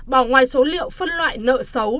bỏ ngoài số liệu phân loại nợ xấu